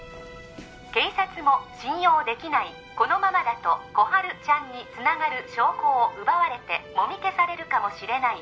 警察も信用できないこのままだと心春ちゃんにつながる証拠を奪われてもみ消されるかもしれない０８２５